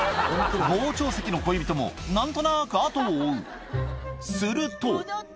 傍聴席の恋人も何となく後を追うすると戻って！